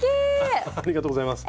ありがとうございます。